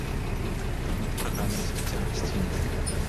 Прынята праграма развіцця гасцініц.